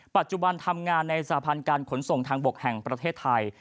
ปัจจุบันทำงานในสาพันธ์การขนส่งทางบกแห่งประเทศไทย